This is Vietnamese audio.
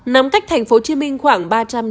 nằm cách thành phố chi minh khoảng